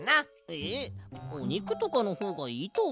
えっおにくとかのほうがいいとおもうぞ。